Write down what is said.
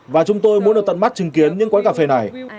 và chúng tôi muốn được tận mắt chứng kiến những quán cà phê này